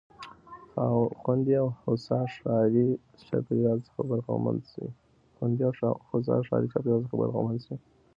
خوندي او هوسا ښاري چاپېريال څخه برخمن سي.